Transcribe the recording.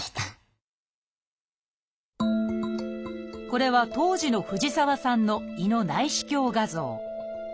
これは当時の藤沢さんの胃の内視鏡画像。